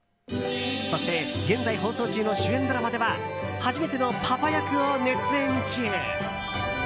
そして、現在放送中の主演ドラマでは初めてのパパ役を熱演中！